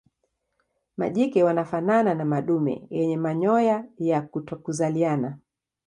Majike wanafanana na madume yenye manyoya ya kutokuzaliana.